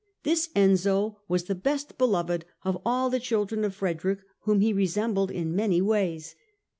This Enzio was the best beloved of all the children of Frederick, whom he resembled in many ways.